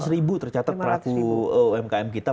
lima ratus ribu tercatat peraku umkm kita